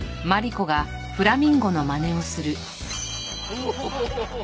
おお！